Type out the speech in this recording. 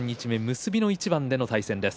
結びの一番での対戦です。